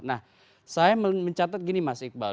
nah saya mencatat gini mas iqbal